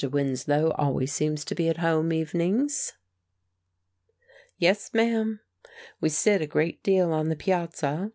Winslow always seems to be at home evenings." "Yes, ma'am. We sit a great deal on the piazza.